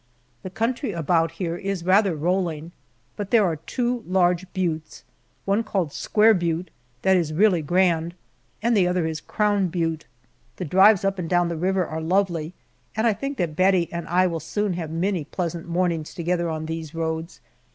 The country about here is rather rolling, but there are two large buttes one called Square Butte that is really grand, and the other is Crown Butte. The drives up and down the river are lovely, and I think that Bettie and I will soon have many pleasant mornings together on these roads.